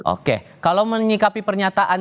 oke kalau menyikapi pernyataan